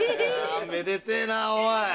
めでたいなおい！